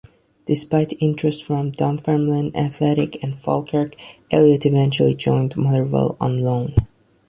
Despite interest from Dunfermline Athletic and Falkirk, Elliot eventually joined Motherwell on loan.